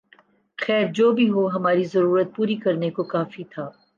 خیر جو بھی ہو ہماری ضرورت پوری کرنے کو کافی تھا